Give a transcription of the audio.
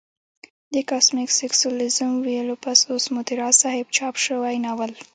د کاسمک سېکسوليزم ويلو پس اوس مو د راز صاحب چاپ شوى ناول